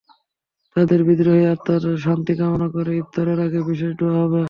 তাঁদের বিদেহী আত্মার শান্তি কামনা করে ইফতারের আগে বিশেষ দোয়া হবে।